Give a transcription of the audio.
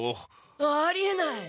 ありえない！